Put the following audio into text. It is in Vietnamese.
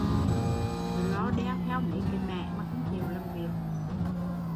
Cứ lo đeo theo mấy cái mẻ mà không chịu làm việc